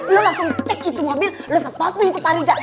lu langsung cek itu mobil lu stop in itu pak rija